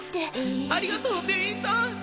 ありがとう店員さん！